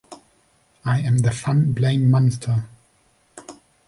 I Am the Fun Blame Monster!